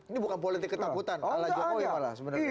ini bukan politik ketakutan malah jokowi malah sebenarnya